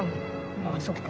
ああそっか。